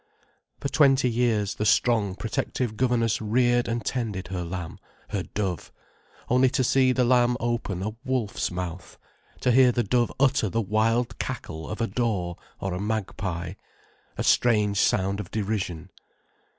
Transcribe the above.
For twenty years the strong, protective governess reared and tended her lamb, her dove, only to see the lamb open a wolf's mouth, to hear the dove utter the wild cackle of a daw or a magpie, a strange sound of derision.